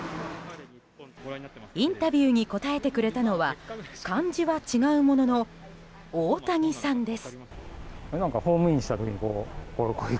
インタビューに答えてくれたのは漢字は違うものの太谷さんです。